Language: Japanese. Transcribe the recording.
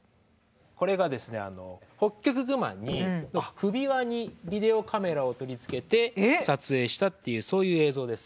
これがですねあのホッキョクグマの首輪にビデオカメラを取り付けて撮影したっていうそういう映像です。